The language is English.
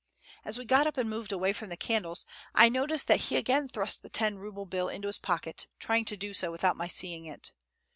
As we got up and moved away from the candles, I noticed that he again thrust the ten ruble bill into his pocket, trying to do so without my seeing it.